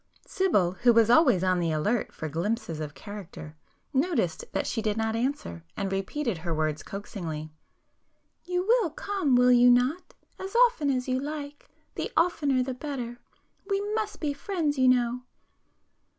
Sibyl, who was always on the alert for glimpses of character, noticed that she did not answer, and repeated her words coaxingly. "You will come, will you not? As often as you like,—the oftener the better. We must be friends, you know!"